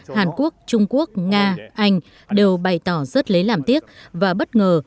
hàn quốc trung quốc nga anh đều bày tỏ rất lấy làm tiếc và bất ngờ